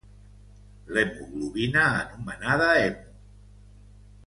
L'hemoglobina, anomenada hemo.